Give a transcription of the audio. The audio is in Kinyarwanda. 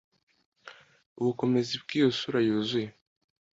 Ubukomezi bwiyo sura yuzuye